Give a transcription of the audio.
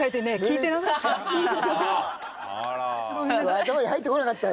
頭に入ってこなかったんだ。